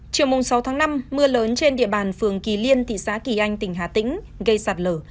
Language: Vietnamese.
chiều sáu tháng năm mưa lớn trên địa bàn phường kỳ liên thị xã kỳ anh tỉnh hà tĩnh gây sạt lở